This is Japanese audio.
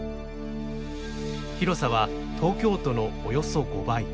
広さは東京都のおよそ５倍。